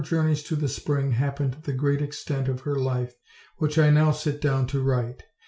journeys to the spring happened the great event of her life, which I now sit down to write.